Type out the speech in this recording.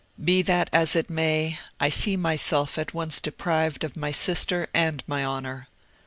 "Be that as it may, I see myself at once deprived of my sister and my honour.